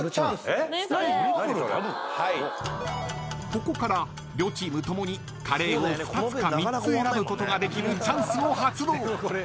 ［ここから両チームともにカレーを２つか３つ選ぶことができるチャンスを発動］